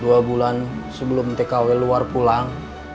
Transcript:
dua bulan sebelum tkw luar pulang